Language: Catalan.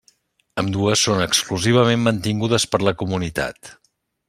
Ambdues són exclusivament mantingudes per la comunitat.